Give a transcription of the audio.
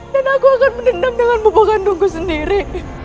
dan aku akan mendendam dengan bopo kandungku sendiri